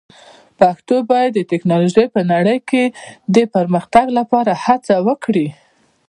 پښتو باید د ټکنالوژۍ په نړۍ کې د پرمختګ لپاره هڅه وکړي.